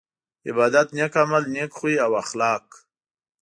عبادت نيک عمل نيک خوي او اخلاق